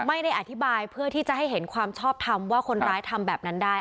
ไม่ได้อธิบายเพื่อที่จะให้เห็นความชอบทำว่าคนร้ายทำแบบนั้นได้